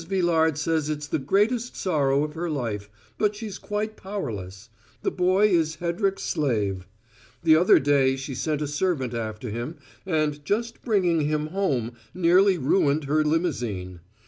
Villard says it's the greatest sorrow of her life, but she's quite powerless: the boy is Hedrick's slave. The other day she sent a servant after him, and just bringing him home nearly ruined her limousine.